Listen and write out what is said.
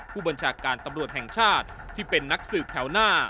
ผู้บัญชาการตำรวจแห่งชาติที่เป็นนักสืบแถวหน้า